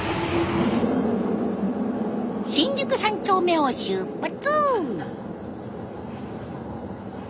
新宿三丁目を出発。